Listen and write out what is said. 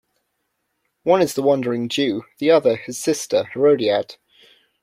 One is the Wandering Jew, the other his sister, Hérodiade.